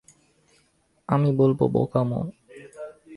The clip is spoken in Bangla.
আমি বলব বোকামো।